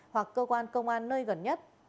hoặc cơ quan công an nơi gần nhất